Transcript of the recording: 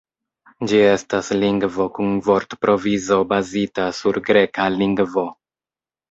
Ĝi estas lingvo kun vortprovizo bazita sur greka lingvo.